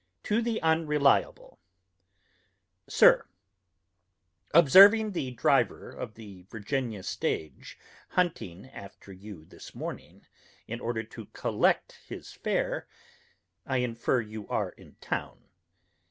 To the Unreliable: SIR Observing the driver of the Virginia stage hunting after you this morning, in order to collect his fare, I infer you are in town.